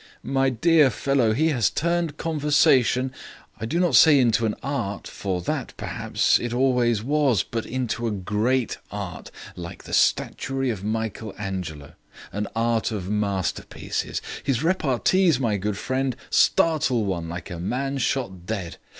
My dear fellow, he has turned conversation, I do not say into an art for that, perhaps, it always was but into a great art, like the statuary of Michael Angelo an art of masterpieces. His repartees, my good friend, startle one like a man shot dead.